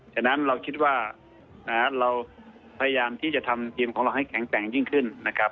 ฉะนั้นเราคิดว่าเราพยายามที่จะทำทีมของเราให้แข็งแกร่งยิ่งขึ้นนะครับ